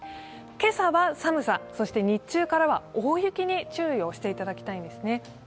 今朝は寒さ、そして日中からは大雪に注意をしていただきたいんですね。